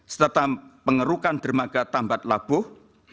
serta pengerukan dermaga tambat labuh